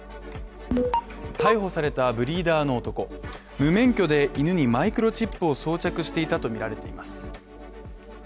逮捕されたブリーダーの男無免許で犬にマイクロチップを装着していたとみられています。